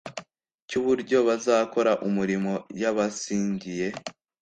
cy’uburyo bazakora umurimo yabasigiye.